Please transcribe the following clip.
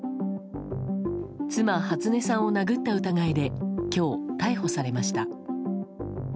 妻・初音さんを殴った疑いで今日、逮捕されました。